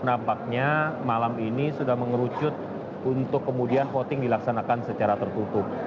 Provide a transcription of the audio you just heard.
nampaknya malam ini sudah mengerucut untuk kemudian voting dilaksanakan secara tertutup